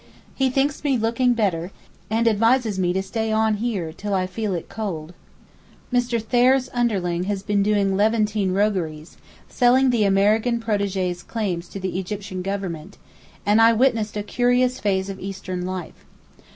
He thinks me looking better, and advises me to stay on here till I feel it cold. Mr. Thayer's underling has been doing Levantine rogueries, selling the American protégé's claims to the Egyptian Government, and I witnessed a curious phase of Eastern life.